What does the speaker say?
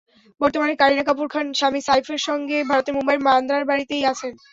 বতর্মানে কারিনা কাপুর খান স্বামী সাইফের সঙ্গে ভারতের মুম্বাইয়ের বান্দ্রার বাড়িতেই আছেন।